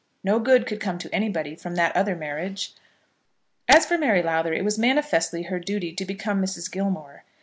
No good could come to anybody from that other marriage. As for Mary Lowther, it was manifestly her duty to become Mrs. Gilmore.